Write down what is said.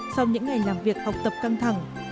sau những ngày làm việc học tập căng thẳng